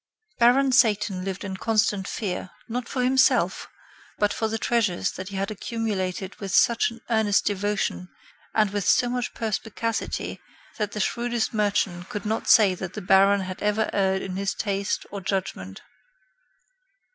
Baron Satan lived in constant fear, not for himself, but for the treasures that he had accumulated with such an earnest devotion and with so much perspicacity that the shrewdest merchant could not say that the Baron had ever erred in his taste or judgment.